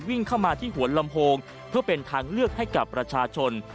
วิ่งเข้ามาที่หัวลำโพงเพื่อเป็นทางเลือกให้กับประชาชน